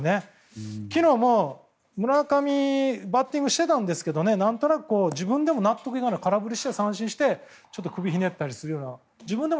昨日も、村上バッティングしていたんですが何となく自分でも納得いかない空振りして、三振して首をひねったりするような。